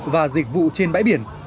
và dịch vụ trên bãi biển